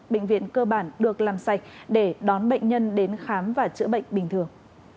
bệnh viện cơ bản được làm sạch để đón bệnh nhân đến khám và chữa bệnh bình thường